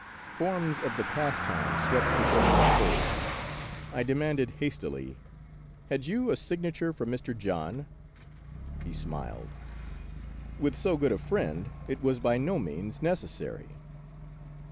Forms of the past time swept before my soul. I demanded hastily, " Had you a signature from Mr. John ?" He smiled. " With so good a friend it was by no means necessary."